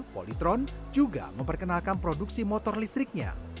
polytron juga memperkenalkan produksi motor listriknya